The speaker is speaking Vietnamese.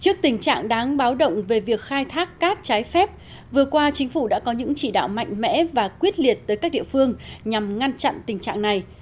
trước tình trạng đáng báo động về việc khai thác cát trái phép vừa qua chính phủ đã có những chỉ đạo mạnh mẽ và quyết liệt tới các địa phương nhằm ngăn chặn tình trạng này